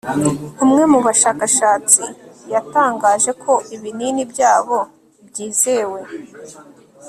umwe mu bashakashatsi, yatangaje ko ibinini byabo byizewe